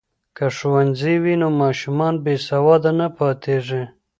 که ښوونځی وي نو ماشومان بې سواده نه پاتیږي.